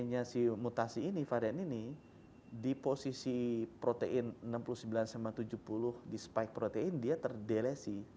nah si mutasi ini varian ini di posisi protein enam puluh sembilan tujuh puluh di spike protein dia terdelesi